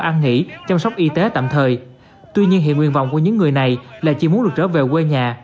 ăn nghỉ chăm sóc y tế tạm thời tuy nhiên hiện nguyện vọng của những người này là chỉ muốn được trở về quê nhà